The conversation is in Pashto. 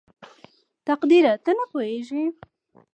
تقديره ته پوهېږې??